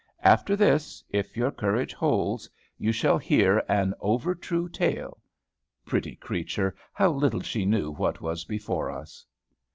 After this, if your courage holds, you shall hear an over true tale." Pretty creature, how little she knew what was before us!